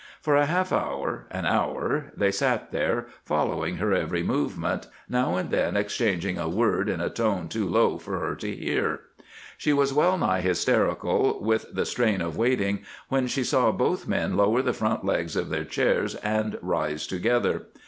For a half hour, an hour, they sat there, following her every movement, now and then exchanging a word in a tone too low for her to hear. She was well nigh hysterical with the strain of waiting, when she saw both men lower the front legs of their chairs and rise together.